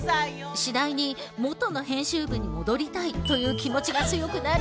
次第にもとの編集部に戻りたいという気持ちが強くなり。